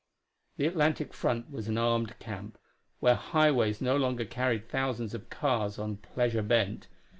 The Atlantic front was an armed camp, where highways no longer carried thousands of cars on pleasure bent.